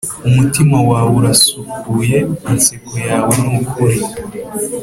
umutima wawe urasukuye, inseko yawe nukuri.